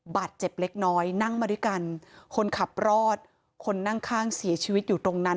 บาดเจ็บเล็กน้อยนั่งมาด้วยกันคนขับรอดคนนั่งข้างเสียชีวิตอยู่ตรงนั้น